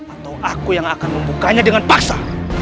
atau aku yang akan membukanya dengan paksa